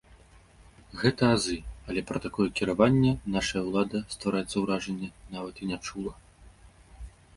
Гэта азы, але пра такое кіраванне нашая ўлада, ствараецца ўражанне, нават і не чула.